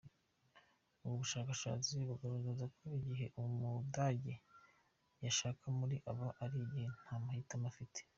Ubu bushakashatsi bugaragaza ko igihe umudage yashaka muri aba ari igihe nta mahitamo afite.